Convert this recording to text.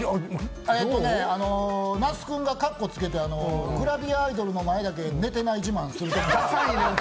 那須くんがかっこつけてグラビアアイドルの前で寝てない自慢するときかな。